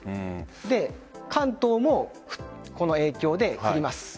で、関東もこの影響で降ります。